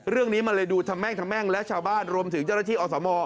เรื่องนี้มันเลยดูทำแม่งทำแม่งและชาวบ้านรวมถึงเจ้าหน้าที่อสม